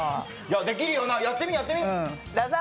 できるよな、やってみやってみ。